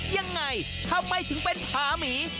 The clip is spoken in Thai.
ยังไงทำไมถึงเป็นผาหมี